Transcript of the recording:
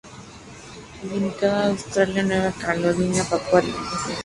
Limitada a Australia, Nueva Caledonia y Papua Nueva Guinea.